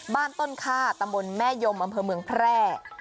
บ้านต้นค่าตำบลแม่ยมอำเภอเมืองแพร่